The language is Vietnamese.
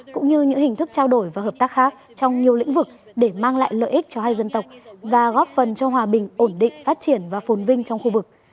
cũng như những hình thức trao đổi và hợp tác khác trong nhiều lĩnh vực để mang lại lợi ích cho hai dân tộc và góp phần cho hòa bình ổn định phát triển và phôn vinh trong khu vực